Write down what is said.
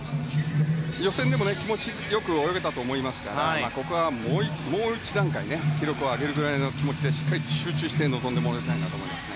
予選でも、気持ち良く泳げたと思いますからここはもう一段階記録を上げるぐらいの気持ちでしっかり集中して臨んでもらいたいと思います。